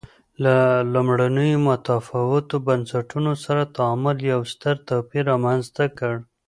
له لومړنیو متفاوتو بنسټونو سره تعامل یو ستر توپیر رامنځته کړ.